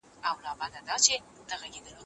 غریبانو د مرستې تمه درلوده.